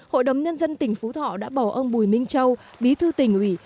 hội đồng nhân dân tỉnh phú thọ đã bầu ông bùi minh châu bí thư tỉnh ủy